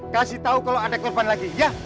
kasih tahu kalau ada korban lagi ya